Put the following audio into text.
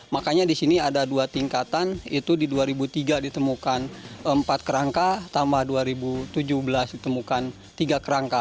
makanya di sini ada dua tingkatan itu di dua ribu tiga ditemukan empat kerangka tambah dua ribu tujuh belas ditemukan tiga kerangka